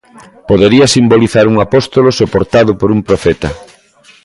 Podería simbolizar un apóstolo soportado por un profeta.